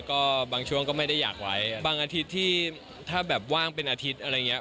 ก็บางช่วงก็ไม่ได้อยากไว้อ่ะบางอาทิตย์ที่ถ้าแบบว่างเป็นอาทิตย์อะไรอย่างนี้